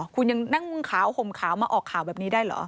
คุณยังนั่งขาวห่มขาวมาออกข่าวแบบนี้ได้เหรอ